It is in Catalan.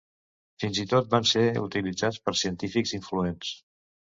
Fins i tot van ser utilitzats per científics influents.